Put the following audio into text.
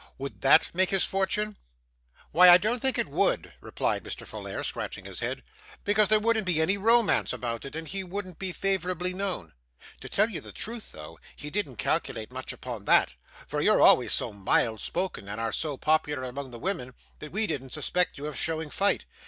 Would that make his fortune?' 'Why, I don't think it would,' replied Mr. Folair, scratching his head, 'because there wouldn't be any romance about it, and he wouldn't be favourably known. To tell you the truth though, he didn't calculate much upon that, for you're always so mild spoken, and are so popular among the women, that we didn't suspect you of showing fight.